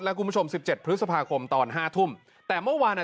แล้วคุณผู้ชมสิบเจ็ดพฤษภาคมตอนห้าทุ่มแต่เมื่อวานอ่ะ